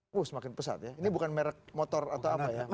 wah semakin pesat ya ini bukan merek motor atau apa ya